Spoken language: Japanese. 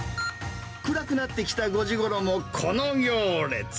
暗くなってきた５時ごろも、この行列。